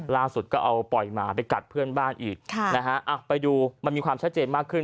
ล่าสุดก็เอาปล่อยหมาไปกัดเพื่อนบ้านอีกนะฮะไปดูมันมีความชัดเจนมากขึ้น